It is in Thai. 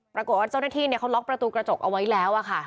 ปรากฏว่าเจ้าหน้าที่เขาล็อกประตูกระจกเอาไว้แล้วค่ะ